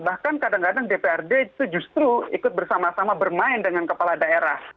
bahkan kadang kadang dprd itu justru ikut bersama sama bermain dengan kepala daerah